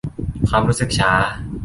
ความรู้สึกช้า